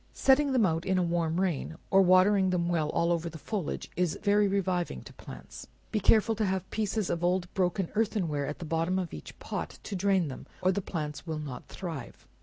Setting them out in a warm rain, or watering them well all over the foliage, is very reviving to plants. Be careful to have pieces of old broken earthen ware at the bottom of each pot, to drain them, or the plants will not thrive.